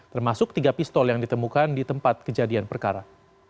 termasuk tiga pistol yang ditemukan di tempat kejadian perkara